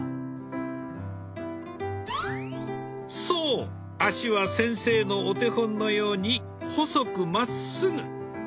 そう足は先生のお手本のように細くまっすぐ。